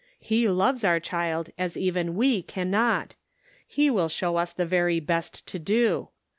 He loves our child as even we can not; he will show us the very best to do.